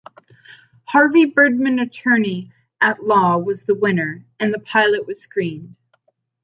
Harvey Birdman Attorney at Law was the winner and the pilot was screened.